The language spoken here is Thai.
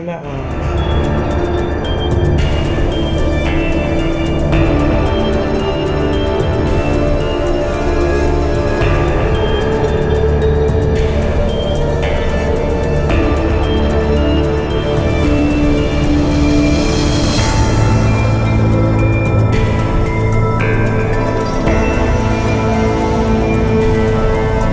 มันให้เรียกข้างหน้าครับ